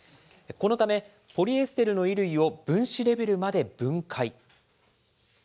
このため、ポリエステルの衣類を分子レベルまで分解。